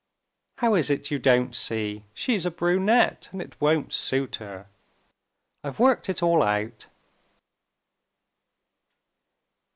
"How is it you don't see? She's a brunette, and it won't suit her.... I've worked it all out."